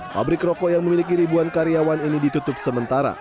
pabrik rokok yang memiliki ribuan karyawan ini ditutup sementara